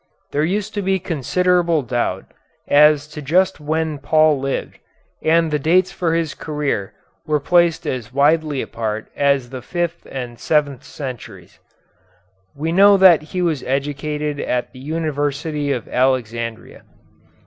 There used to be considerable doubt as to just when Paul lived, and dates for his career were placed as widely apart as the fifth and the seventh centuries. We know that he was educated at the University of Alexandria.